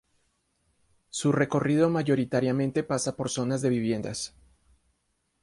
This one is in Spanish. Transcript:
Su recorrido mayoritariamente pasa por zonas de viviendas.